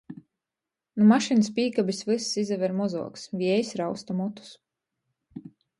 Nu mašynys pīkabis vyss izaver mozuoks, viejs rausta motus.